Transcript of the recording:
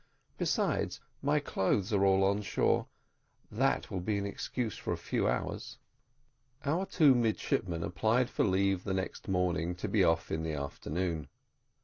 Besides, my clothes are all on shore, and that will be an excuse for a few hours." Our two midshipmen applied for leave the next morning to be off in the afternoon.